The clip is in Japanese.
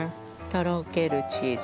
とろけるチーズ。